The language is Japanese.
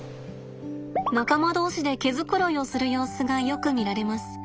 仲間同士で毛繕いをする様子がよく見られます。